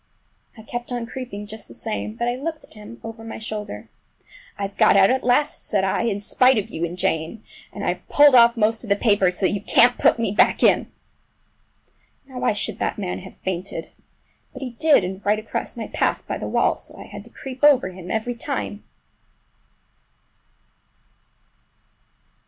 I kept on creeping just the same, but I looked at him over my shoulder. "I've got out at last," said I, "in spite of you and Jane! And I've pulled off most of the paper, so you can't put me back!" Now why should that man have fainted? But he did, and right across my path by the wall, so that I had to creep over him every time!